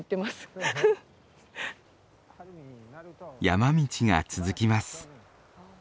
山道が続きます。